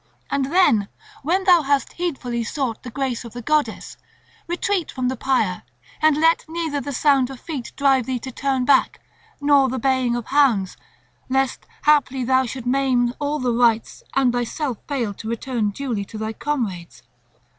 And then, when thou hast heedfully sought the grace of the goddess, retreat from the pyre; and let neither the sound of feet drive thee to turn back, nor the baying of hounds, lest haply thou shouldst maim all the rites and thyself fail to return duly to thy comrades.